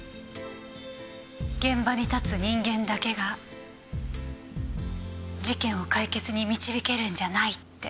現場に立つ人間だけが事件を解決に導けるんじゃないって。